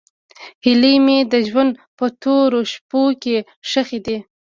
هیلې مې د ژوند په تورو شپو کې ښخې دي.